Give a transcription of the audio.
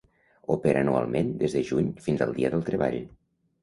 Opera anualment des de juny fins al Dia del Treball.